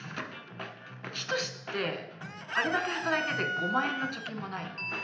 仁ってあれだけ働いてて５万円の貯金もないの？